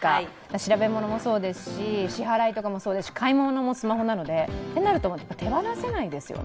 調べ物もそうですし、支払いとかもそうですし買い物もスマホなので、そうなると手放せないですよね。